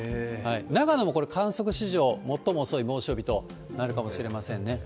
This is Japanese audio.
長野もこれ、観測史上最も遅い猛暑日となるかもしれませんね。